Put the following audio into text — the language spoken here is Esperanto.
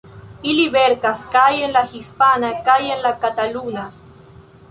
Ili verkas kaj en la hispana kaj en la kataluna.